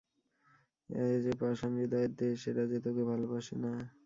এ যে পাষাণ-হৃদয়ের দেশ– এরা যে তোকে ভালোবাসে না।